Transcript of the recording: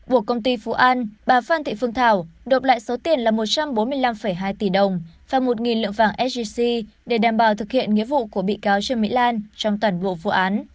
buộc công ty phú an bà phan thị phương thảo đột lại số tiền là một trăm bốn mươi năm hai tỷ đồng và một lượng vàng sgc để đảm bảo thực hiện nghĩa vụ